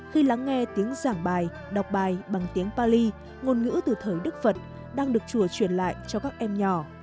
khi lắng nghe tiếng giảng bài đọc bài bằng tiếng pali ngôn ngữ từ thời đức phật đang được chùa truyền lại cho các em nhỏ